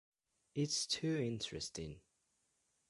It's too interesting.